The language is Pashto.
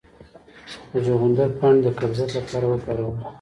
د چغندر پاڼې د قبضیت لپاره وکاروئ